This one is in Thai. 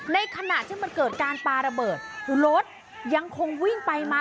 ในขณะที่มันเกิดการปลาระเบิดรถยังคงวิ่งไปมา